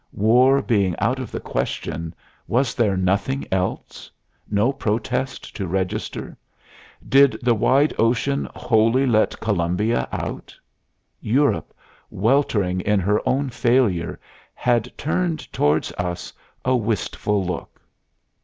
War being out of the question, was there nothing else? No protest to register? Did the wide ocean wholly let Columbia out? Europe, weltering in her own failure, had turned towards us a wistful look.